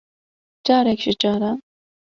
Carek ji caran